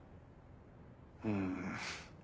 うん。